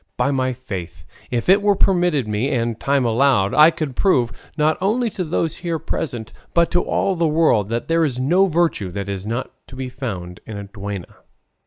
By my faith, if it were permitted me and time allowed, I could prove, not only to those here present, but to all the world, that there is no virtue that is not to be found in a duenna."